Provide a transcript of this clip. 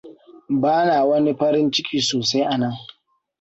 Ba na wani farin ciki sosai anan.